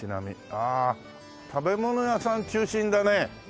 ああ食べ物屋さん中心だね。